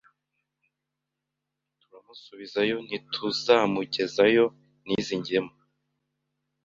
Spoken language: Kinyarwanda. Turamusubizayo ntituzamugezayo n’izi ngemu